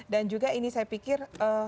dan juga ini saya pikir